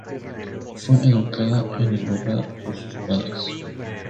Fue educada en el hogar por sus padres.